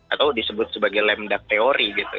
atau disebut sebagai lemdak teori gitu